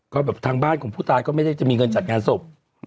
แต่ทางบ้านผู้ตายก็ไม่ได้มีเงินจัดงานศพ